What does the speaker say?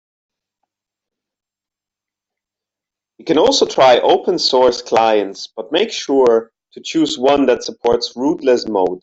You can also try open source clients, but make sure to choose one that supports rootless mode.